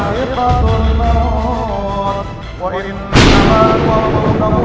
yaudah bang kenapa